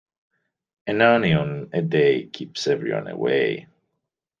An onion a day keeps everyone away.